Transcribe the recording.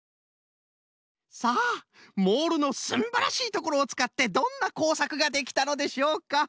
さあモールのすんばらしいところをつかってどんなこうさくができたのでしょうか。